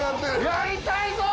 やりたいぞー！！